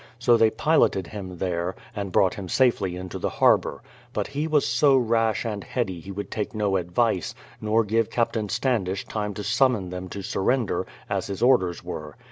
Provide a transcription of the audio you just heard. So they piloted him there, and brought him safely into the harbour. But he was so rash and heady he would take no advice, nor give Captain Standish time to summon them to surrender, as his orders were.